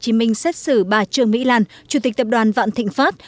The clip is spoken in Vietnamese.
tòa án nhân dân tp hcm xét xử bà trương mỹ lan chủ tịch tập đoàn vạn thịnh pháp